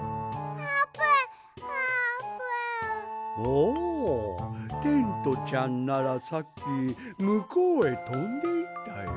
おおテントちゃんならさっきむこうへとんでいったよ。